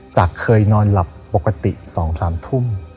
เคยนอนหลับปกติ๒๓ทุ่ม